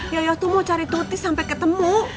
yaya tuh mau cari tuti sampai ketemu